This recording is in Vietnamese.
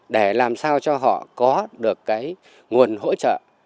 để làm sao cho họ có được cái nguồn hỗ trợ